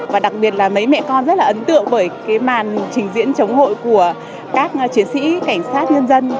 và đặc biệt là mấy mẹ con rất là ấn tượng bởi cái màn trình diễn chống hội của các chiến sĩ cảnh sát nhân dân